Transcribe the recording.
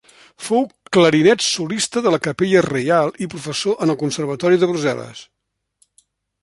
Fou clarinet solista de la Capella reial i professor en el Conservatori de Brussel·les.